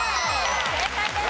正解です。